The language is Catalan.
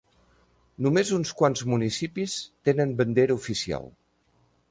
Només uns quants municipis tenen bandera oficial.